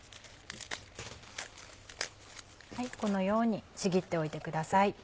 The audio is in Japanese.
このようにちぎっておいてください。